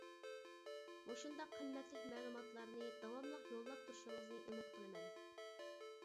مۇشۇنداق قىممەتلىك مەلۇماتلارنى داۋاملىق يوللاپ تۇرۇشىڭىزنى ئۈمىد قىلىمەن.